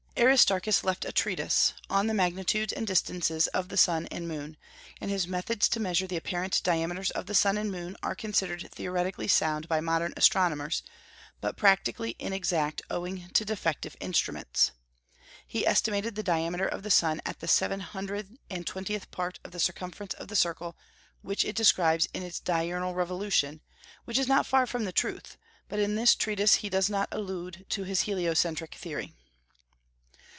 Aristarchus left a treatise "On the Magnitudes and Distances of the Sun and Moon;" and his methods to measure the apparent diameters of the sun and moon are considered theoretically sound by modern astronomers, but practically inexact owing to defective instruments. He estimated the diameter of the sun at the seven hundred and twentieth part of the circumference of the circle which it describes in its diurnal revolution, which is not far from the truth; but in this treatise he does not allude to his heliocentric theory.